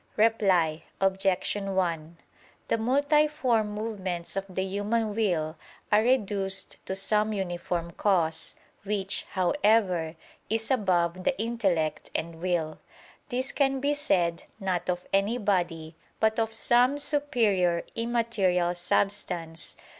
Reply Obj. 1: The multiform movements of the human will are reduced to some uniform cause, which, however, is above the intellect and will. This can be said, not of any body, but of some superior immaterial substance.